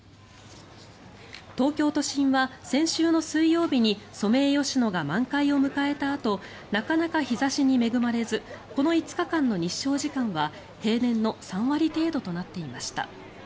東京都心は先週の水曜日にソメイヨシノが満開を迎えたあとなかなか日差しに恵まれずこの５日間の日照時間は平年の３割程度となっていました。